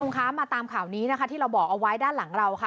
คุณผู้ชมคะมาตามข่าวนี้นะคะที่เราบอกเอาไว้ด้านหลังเราค่ะ